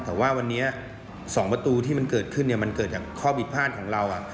แต่ว่าวันนี้๒ประตูที่มันเกิดขึ้นเนี่ยมันเกิดจากข้อผิดพลาดของเรา